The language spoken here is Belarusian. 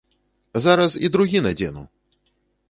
Зараз і другі надзену!